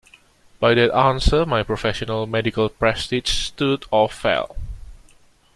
By that answer my professional medical prestige stood or fell.